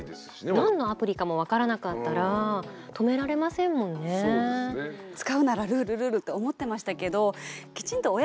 何のアプリかも分からなかったら止められませんもんね。って思ってましたけどきちんとねえ。